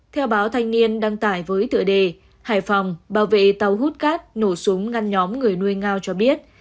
theo báo thanh niên đăng tải với tựa đề hải phòng bảo vệ tàu hút cát nổ súng ngăn nhóm người nuôi ngao cho biết